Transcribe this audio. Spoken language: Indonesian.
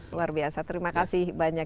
luar biasa terima kasih banyak